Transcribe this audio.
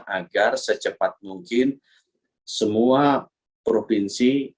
agar secepat mungkin semua provinsi